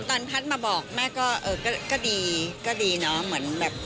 ตอนทัศน์มาบอกแม่ก็เออก็ดีก็ดีเนาะเหมือนแบบ